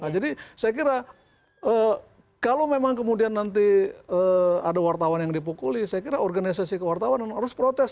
jadi saya kira kalau memang kemudian nanti ada wartawan yang dipukuli saya kira organisasi kewartawan harus protes